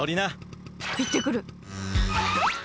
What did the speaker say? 行ってくる。